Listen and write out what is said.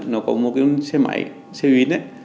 nó có một cái xe máy xe huyến ấy